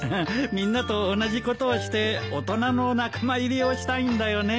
みんなと同じことをして大人の仲間入りをしたいんだよね。